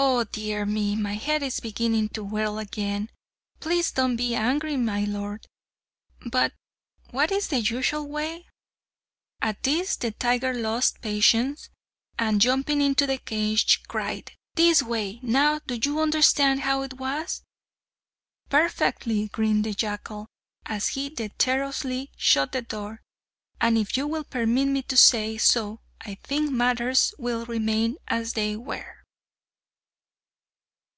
"Oh, dear me! my head is beginning to whirl again! Please don't be angry, my lord, but what is the usual way?" At this the tiger lost patience, and, jumping into the cage, cried, "This way! Now do you understand how it was?" "Perfectly!" grinned the jackal, as he dexterously shut the door, "and if you will permit me to say so, I think matters will remain as they were!"